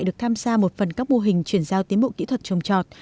được tham gia một phần các mô hình chuyển giao tiến bộ kỹ thuật trồng trọt